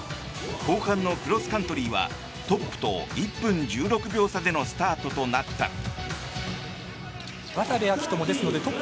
後半のクロスカントリーはトップと１分１６秒差でのスタートとなった。